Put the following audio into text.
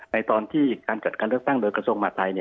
ตอนที่การจัดการเลือกตั้งโดยกระทรวงมหาธัย